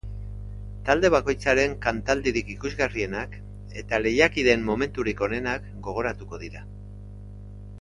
Talde bakoitzaren kantaldirik ikusgarrienak eta lehiakideen momenturik onenak gogoratuko dira.